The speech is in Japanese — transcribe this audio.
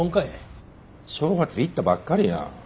正月行ったばっかりやん。